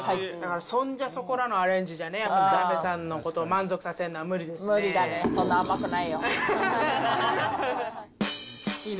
そんじょそこらのアレンジじゃ、やっぱり田辺さんのこと満足させるのは無理ですね。